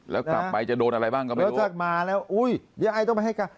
แล้วกลับไปจะโดนอะไรบ้างก็ไม่รู้ถ้ามาแล้วอุ้ยยาไอต้องไปให้การ